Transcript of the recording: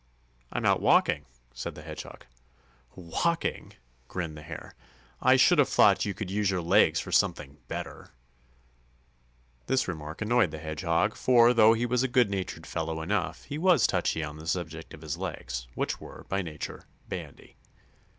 "I'm out walking," said the Hedgehog. "Walking?" grinned the Hare. "I should have thought you could use your legs for something better!" This remark annoyed the Hedgehog, for, though he was a good natured fellow enough, he was touchy on the subject of his legs, which were, by nature, bandy.